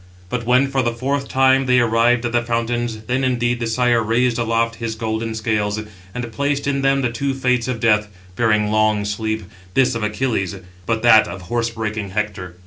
But when for the fourth time they arrived at the fountains, then, indeed, the Sire raised aloft his golden scales, and placed in them the two fates of death, bearing long sleep, this of Achilles, but that of horse breaking Hector.